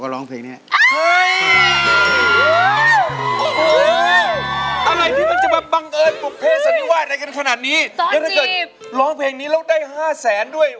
ร้องเพลงนี้แล้วได้๕แสนด้วย